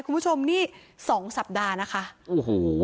คุณผู้ชมนี่สองสัปดาห์นะคะโอ้โห